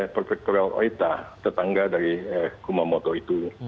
perfektural oita tetangga dari kumamoto itu